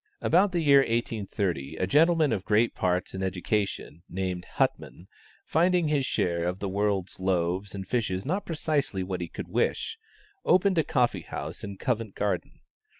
About the year 1830, a gentleman of great parts and education, named Huttmann, finding his share of this world's loaves and fishes not precisely what he could wish, opened a coffee house in Covent Garden.